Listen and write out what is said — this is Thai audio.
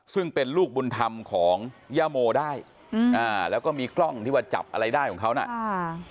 ซึ่งเป็นลูกบุญธรรมของย่าโมได้อืมอ่าแล้วก็มีกล้องที่ว่าจับอะไรได้ของเขาน่ะอ่า